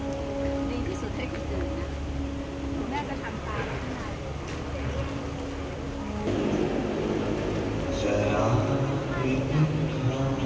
สวัสดีครับสวัสดีครับ